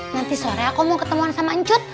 nanti sore aku mau ketemuan sama encut